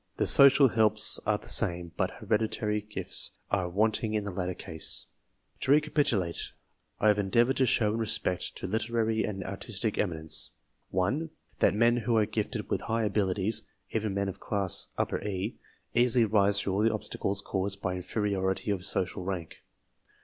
The social helps are the same, but hereditary gifts are wanting in the latter case. To recapitulate : I have endeavoured to show in respect literary and artistic eminence ^L. That men who are gifted with high abilities even en of class E easily rise through all the obstacles caused > by inferiority of social rank.